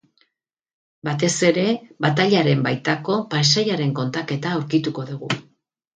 Batez ere batailaren baitako paisaiaren kontaketa aurkituko dugu.